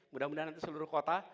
mudah mudahan seluruh kota